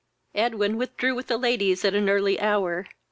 Edwin withdrew with the ladies at an early hour.